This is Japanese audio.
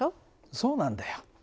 そうなんだよ。